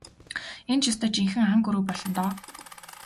Энэ ч ёстой жинхэнэ ан гөрөө болно доо.